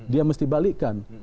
dia mesti balikkan